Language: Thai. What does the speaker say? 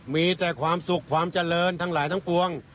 มีแต่ความสุขความเจริญทั้งหลายทั้งปวง